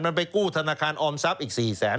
มันไปกู้ธนาคารออมทรัพย์อีก๔แสน